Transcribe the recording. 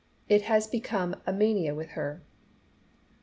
It has become a mania with her."